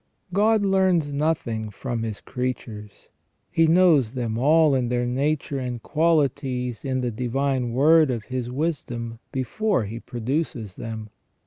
f God learns nothing from His creatures ; He knows them all in their nature and qualities in the Divine Word of His wisdom before He produces them.